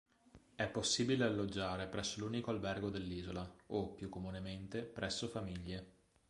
È possibile alloggiare presso l'unico albergo dell'isola o, più comunemente, presso famiglie.